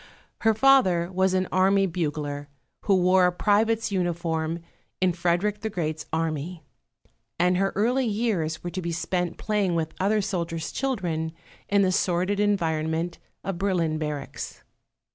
Her father was an army bugler, who wore private's uniform in Frederick the Great's army; and her early years were to be spent playing with other soldiers' children in the sordid environment of Berlin barracks.